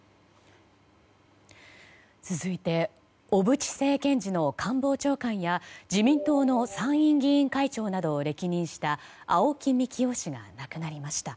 続いて小渕政権時の官房長官や自民党の参院議員会長などを歴任した青木幹雄氏が亡くなりました。